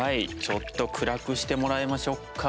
ちょっと暗くしてもらいましょうか。